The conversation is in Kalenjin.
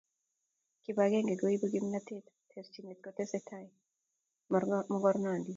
Kipakenge koipu kimnatet ,terchinet kotesei mokornondit